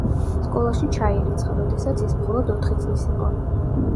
სკოლაში ჩაირიცხა, როდესაც ის მხოლოდ ოთხი წლის იყო.